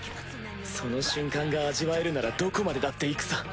その瞬間が味わえるならどこまでだって行くさ！